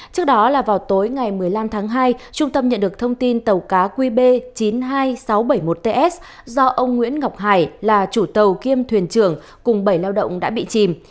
trước đó là vào tối ngày một mươi năm tháng hai trung tâm nhận được thông tin tàu cá qb chín mươi hai nghìn sáu trăm bảy mươi một ts do ông nguyễn ngọc hải là chủ tàu kiêm thuyền trưởng cùng bảy lao động đã bị chìm